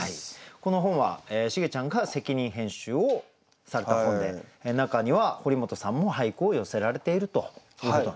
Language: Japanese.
この本はシゲちゃんが責任編集をされた本で中には堀本さんも俳句を寄せられているということなんですね。